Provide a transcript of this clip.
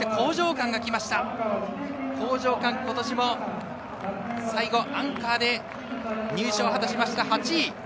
そして興譲館、今年も最後アンカーで入賞を果たしまして、８位。